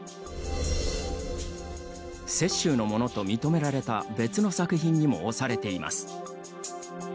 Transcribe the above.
雪舟のものと認められた別の作品にも押されています。